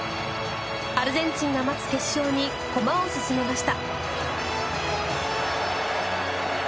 アルゼンチンが待つ決勝に駒を進めました。